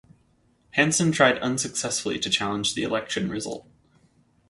Hansen tried unsuccessfully to challenge the election result.